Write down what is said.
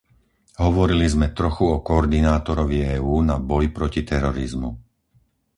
Hovorili sme trochu o koordinátorovi EÚ na boj proti terorizmu.